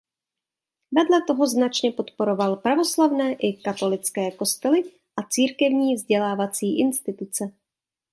Vedle toho značně podporoval pravoslavné i katolické kostely a církevní vzdělávací instituce.